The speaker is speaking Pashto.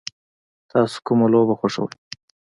تاسو کومه لوبه خوښوئ؟